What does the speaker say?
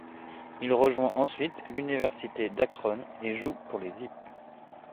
Il rejoint ensuite l'université d'Akron et joue pour les Zips.